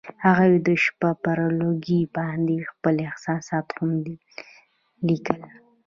هغوی د شپه پر لرګي باندې خپل احساسات هم لیکل.